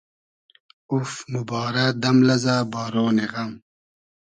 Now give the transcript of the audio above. اوف! موبارۂ دئم لئزۂ بارۉنی غئم